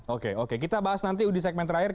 oke oke kita bahas nanti di segmen terakhir